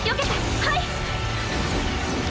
はい！